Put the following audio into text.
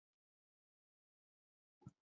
传伯爵至赵之龙。